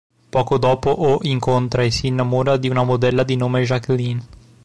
Poco dopo O incontra e si innamora di una modella di nome Jacqueline.